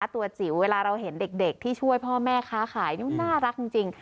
ตัวจิ๋วเวลาเราเห็นเด็กที่ช่วยพ่อแม่ค้าขายน่ารักจริง